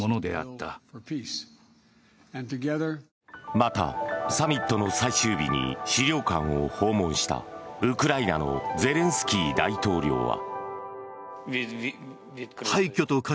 また、サミットの最終日に資料館を訪問したウクライナのゼレンスキー大統領は。